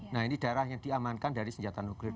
nah ini darah yang diamankan dari senjata nuklir